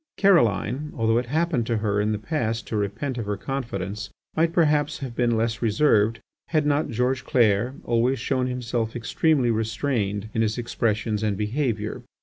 Caroline, although it had happened to her in the past to repent of her confidence, might perhaps have been less reserved had not George Clair always shown himself extremely restrained in his expressions and behaviour.